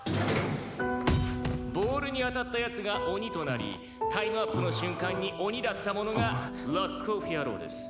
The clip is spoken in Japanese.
「ボールに当たった奴がオニとなりタイムアップの瞬間にオニだった者がロック・オフ野郎です」